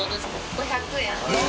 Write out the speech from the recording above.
５５０円です。